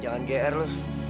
jangan geher lo